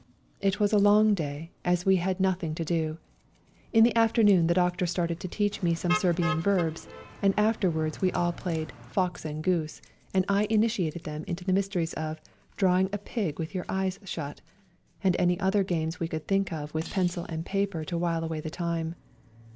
It was a long day, as we had nothing to do. In the afternoon the doctor started to teach me some Serbian verbs, and after wards we all played " Fox and Goose," and I initiated them into the mysteries of " drawing a pig with your eyes shut," and any other games we could think of with pencil and paper to while away the time.